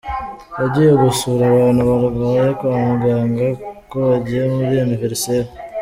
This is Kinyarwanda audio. yagiye gusura abantu barwaye kwa muganga, ko bagiye muri anniversaire.